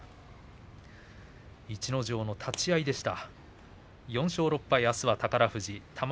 逸ノ城の立ち合いでした。